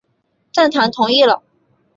郑覃同意了。